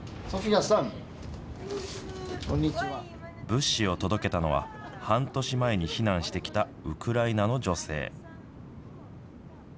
物資を届けたのは、半年前に避難してきたウクライナの女性。